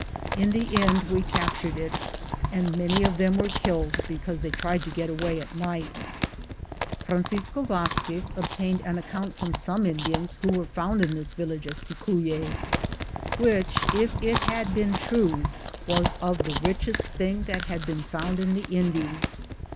In the end we captured it, and many of them were killed because they tried to get away at night. Francisco Vazquez obtained an account from some Indians who were found in this village of Cicuique, which, if it had been true, was of the richest thing that has been found in the Indies.